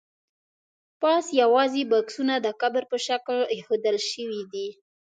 پاس یوازې بکسونه د قبر په شکل ایښودل شوي دي.